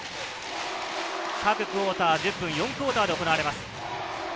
各クオーター１０分、４クオーターで行われます。